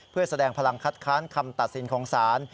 เพื่อแสดงพลังคัดค้านคำตัดสินของศาล